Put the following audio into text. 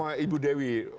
hanya ibu dewi